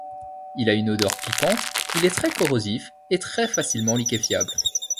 Il a une odeur piquante, il est très corrosif et très facilement liquéfiable.